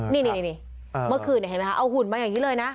นี่เมื่อคืนเห็นไหมคะเอาหุ่นมาอย่างนี้เลยนะ